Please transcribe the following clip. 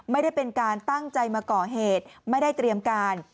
ไม่ได้เป็นการตั้งใจมาก่อเหตุไม่ได้เตรียมการ